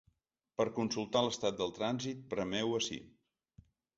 Per consultar l’estat del trànsit, premeu ací.